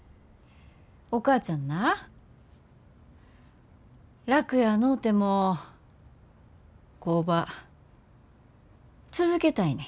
お母ちゃんな楽やのうても工場続けたいねん。